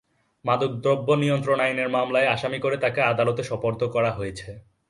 মাদকদ্রব্য নিয়ন্ত্রণ আইনের মামলার আসামি করে তাঁকে আদালতে সোপর্দ করা হয়েছে।